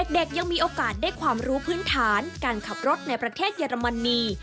ยังมีโอกาสได้ความรู้พื้นฐานการขับรถในประเทศเยอรมนี